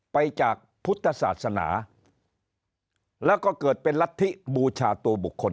ไปจากพุทธศาสนาแล้วก็เกิดเป็นรัฐธิบูชาตัวบุคคล